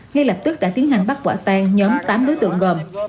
ngay lập tức đã tiến hành bắt quả tan nhóm tám đối tượng gồm